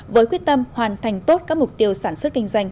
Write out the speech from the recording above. với quyết tâm hoàn thành tốt các mục tiêu sản xuất kinh doanh